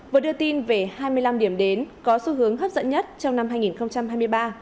vừa đưa tin về hai mươi năm điểm đến có xu hướng hấp dẫn nhất trong năm hai nghìn hai mươi ba